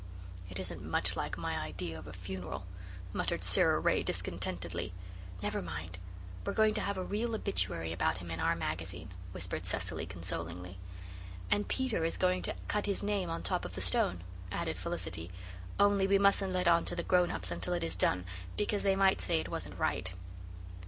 "It isn't much like my idea of a funeral," muttered Sara Ray discontentedly. "Never mind, we're going to have a real obituary about him in Our Magazine," whispered Cecily consolingly. "And Peter is going to cut his name on top of the stone," added Felicity. "Only we mustn't let on to the grown ups until it is done, because they might say it wasn't right."